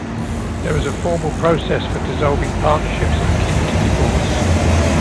There is a formal process for dissolving partnerships akin to divorce.